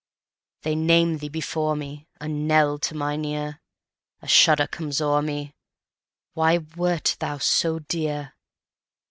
They name thee before me,A knell to mine ear;A shudder comes o'er me—Why wert thou so dear?